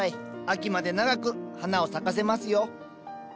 秋まで長く花を咲かせますよ。